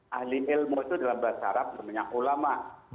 ahli ilmu itu dalam bahasa arab namanya ulama